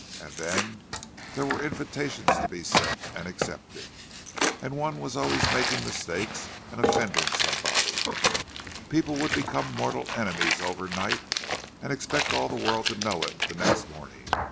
And then there were invitations to be sent and accepted; and one was always making mistakes and offending somebody—people would become mortal enemies overnight, and expect all the world to know it the next morning.